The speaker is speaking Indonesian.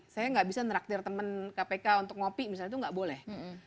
saya gak bisa neraktir temen kpk untuk ngopi misalnya itu gak boleh